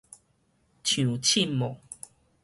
上凊瘼